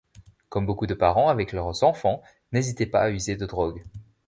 Comme beaucoup de parents avec leurs enfants : n’hésitez pas à user de drogues.